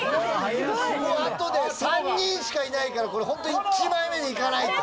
もうあとね３人しかいないからこれホントに１枚目にいかないと。